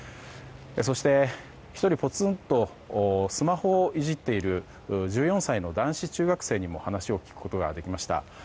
そして、１人ぽつんとスマホをいじっている１４歳の男子中学生にも話を聞くことができました。